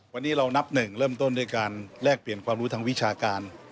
วันนี้เรานับหนึ่งเริ่มต้นด้วยการแลกเปลี่ยนความรู้ทางวิชาการ